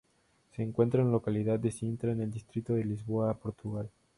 Se encuentra en la localidad de Sintra en el Distrito de Lisboa, Portugal.